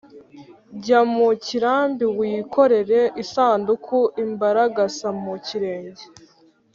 jya mu kirambi wikorere isanduku-imbaragasa mu kirenge.